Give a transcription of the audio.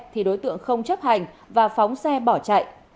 thì đối tượng không chấp hành và phóng xe bỏ chạy